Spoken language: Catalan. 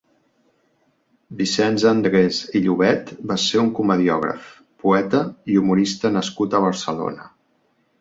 Vicenç Andrés i Llobet va ser un comediògraf, poeta i humorísta nascut a Barcelona.